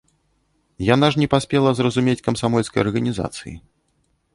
Яна ж не паспела зразумець камсамольскай арганізацыі.